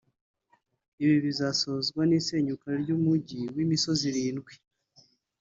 Ibi bizasozwa n’isenyuka ry’umujyi w’imisozi irindwi